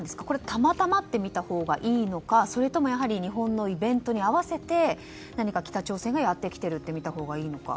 たまたまと見たほうがいいのかそれとも日本のイベントに合わせて何か北朝鮮がやってきているとみたほうがいいのか。